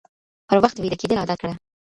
پر وخت ويده کېدل عادت کړه